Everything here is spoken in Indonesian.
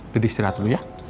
deddy istirahat dulu ya